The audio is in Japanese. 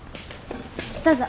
どうぞ。